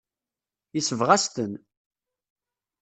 Yesbeɣ-as-ten.